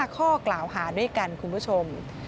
ข้อกล่าวหาด้วยกันคุณผู้ชม